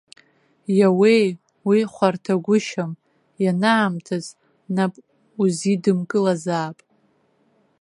Иаууеи, уи хәарҭагәышьам, ианаамҭаз нап узидымкылазаап!